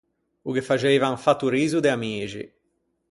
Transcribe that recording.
O ghe faxeiva un fattoriso de amixi.